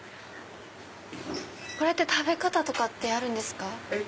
これって食べ方とかあるんですか？